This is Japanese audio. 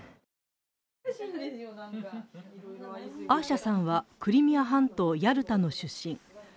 アーシャさんはクリミア半島ヤルタの出身。